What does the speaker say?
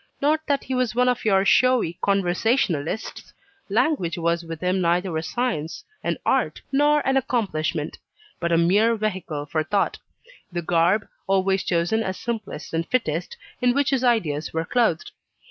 Not that he was one of your showy conversationalists; language was with him neither a science, an art, nor an accomplishment, but a mere vehicle for thought; the garb, always chosen as simplest and fittest, in which his ideas were clothed.